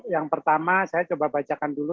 yang pertama saya coba bacakan dulu